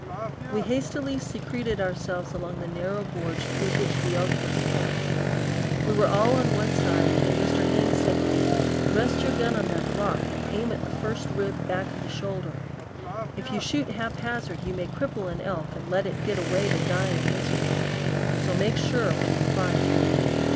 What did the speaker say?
We hastily secreted ourselves along the narrow gorge through which the elk must pass. We were all on one side, and Mr. Haynes said to me, "Rest your gun on that rock and aim at the first rib back of the shoulder. If you shoot haphazard you may cripple an elk and let it get away to die in misery. So make sure when you fire."